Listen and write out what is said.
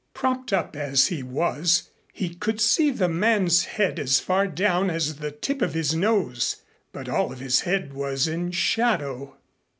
Propped up as he was he could see the man's head as far down as the tip of his nose, but all of his head was in shadow.